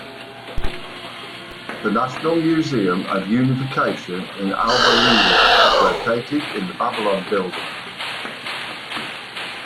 The National Museum of Unification in Alba Iulia is located in the "Babylon" Building.